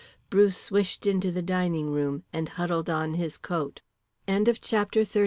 Bruce swished into the dining room and huddled on his coat. CHAPTER XXXII.